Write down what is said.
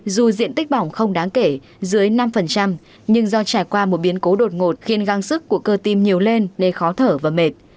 dù diện tích bỏng không đáng kể dưới năm nhưng do trải qua một biến cố đột ngột khiến gang sức của cơ tim nhiều lên nên khó thở và mệt